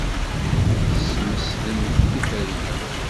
Tesmesdemt tiferyin.